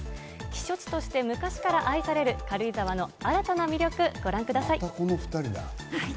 避暑地として昔から愛される軽井沢の新たな魅力、ご覧ください。